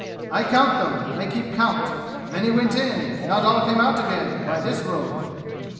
I count them! I keep count! Many went in! Not all came out again by this road!"